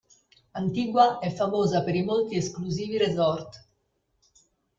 Antigua è famosa per i molti esclusivi resort.